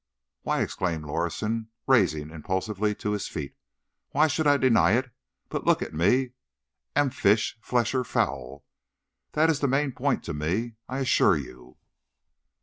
"Why," exclaimed Lorison, rising impulsively to his feet—"why should I deny it? But look at me—am I fish, flesh or fowl? That is the main point to me, I assure you."